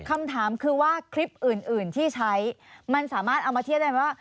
คำถามคือว่าคลิปอื่นที่ใช้มันสามารถเอามาเทียบได้ไหมว่า